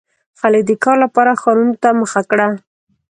• خلک د کار لپاره ښارونو ته مخه کړه.